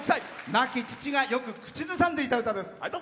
亡き父がよく口ずさんでいた歌です。